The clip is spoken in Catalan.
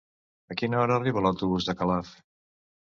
A quina hora arriba l'autobús de Calaf?